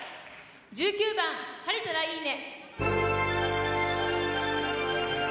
１９番「晴れたらいいね」。